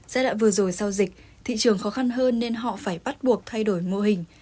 giai đoạn vừa rồi sau dịch thị trường khó khăn hơn nên họ phải bắt buộc thay đổi mô hình